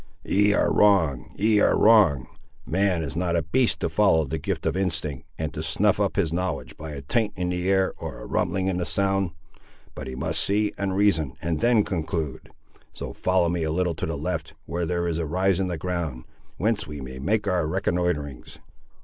"Ye are wrong—ye are wrong; man is not a beast to follow the gift of instinct, and to snuff up his knowledge by a taint in the air, or a rumbling in the sound; but he must see and reason, and then conclude. So follow me a little to the left, where there is a rise in the ground, whence we may make our reconnoitrings."